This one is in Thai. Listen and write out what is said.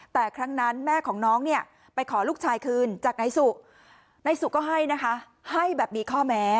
แต่ครั้งนั้นแม่ของน้องเนี่ยไปขอลูกชายคืนจากนายสุนายสุก็ให้นะคะให้แบบมีข้อแม้